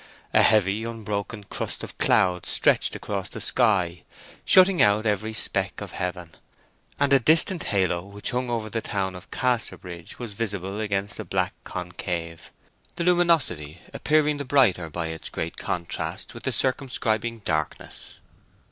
A heavy unbroken crust of cloud stretched across the sky, shutting out every speck of heaven; and a distant halo which hung over the town of Casterbridge was visible against the black concave, the luminosity appearing the brighter by its great contrast with the circumscribing darkness.